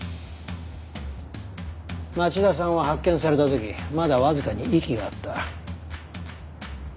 町田さんは発見された時まだわずかに息があった。